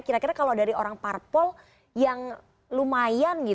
kira kira kalau dari orang parpol yang lumayan